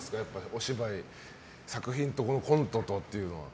お芝居、作品とこのコントとっていうのは。